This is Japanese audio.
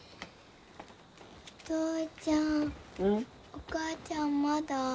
お母ちゃんまだ？